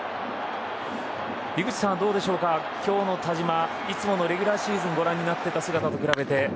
井口さん、どうでしょうか今日の田嶋いつものレギュラーシーズンをご覧になってた姿と比べて。